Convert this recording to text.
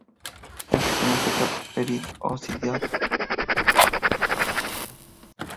Existe una cierta periodicidad en estos fenómenos aunque obedece a reglas complejas.